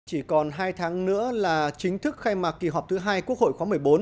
chỉ còn hai tháng nữa là chính thức khai mạc kỳ họp thứ hai quốc hội khóa một mươi bốn